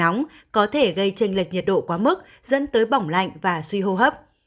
nóng có thể gây tranh lệch nhiệt độ quá mức dẫn tới bỏng lạnh và suy hô hấp